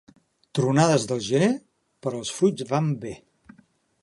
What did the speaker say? Tronades del gener per als fruits van bé.